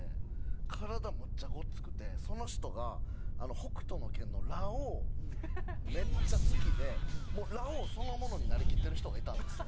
その人が『北斗の拳』のラオウめっちゃ好きでもうラオウそのものになりきってる人がいたんですよ。